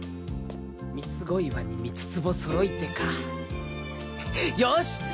「みつご岩にみつつぼそろいて」かよーし！